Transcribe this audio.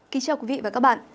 kính chào quý vị và các bạn